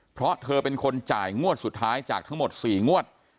เพราะเธอเป็นคนจ่ายงวดสุดท้ายจากทั้งหมด๔งวด